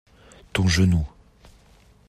Ton genou.